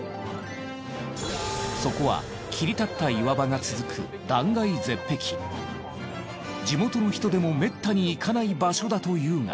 そこは切り立った岩場が続く地元の人でもめったに行かない場所だというが。